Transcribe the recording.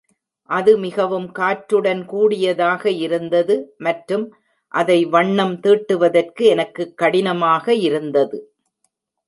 அது மிகவும் காற்றுடன் கூடியதாக இருந்தது, மற்றும் அதை வண்ணம் தீட்டுவதற்கு எனக்கு கடினமாக இருந்தது..